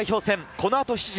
このあと７時。